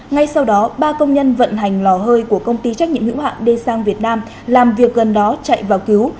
ngay sau đó ba công nhân vận hành lò hơi của công ty trách nhiệm hữu hạn d sang việt nam làm việc gần đó chạy vào cứu